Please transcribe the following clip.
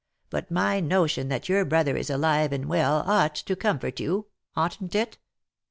But my notion that your brother is alive and well, ought to comfort you — oughtn't it?"